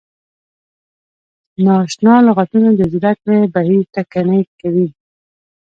نا اشنا لغتونه د زده کړې بهیر ټکنی کوي.